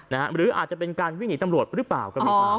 หรืออาจจะเป็นการวิ่งหนีตำรวจหรือเปล่าก็ไม่ทราบ